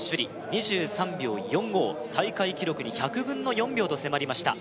２３秒４５大会記録に１００分の４秒と迫りました